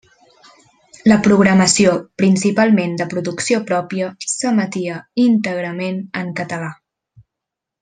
La programació, principalment de producció pròpia, s'emetia íntegrament en català.